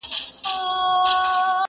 زوی یې زور کاوه پر لور د تورو غرونو٫